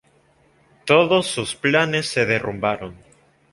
Todos sus planes se derrumbaron.